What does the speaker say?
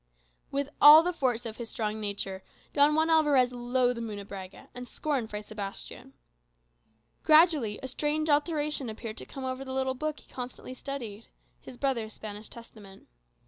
With all the force of his strong nature, Don Juan Alvarez loathed Munebrãga, and scorned Fray Sebastian. Gradually a strange alteration appeared to come over the little book he constantly studied his brother's Spanish Testament.